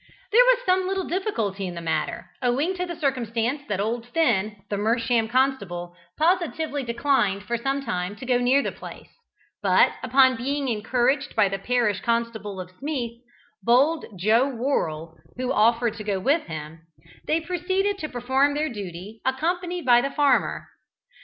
There was some little difficulty in the matter, owing to the circumstance that old Finn, the Mersham constable, positively declined for some time to go near the place, but upon being encouraged by the parish constable of Smeeth, bold Joe Worrell, who offered to go with him, they proceeded to perform their duty, accompanied by the farmer.